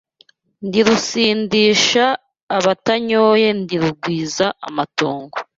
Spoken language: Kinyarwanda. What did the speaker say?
Ndi Rusindisha abatanyoye ndi rugwiza amatongo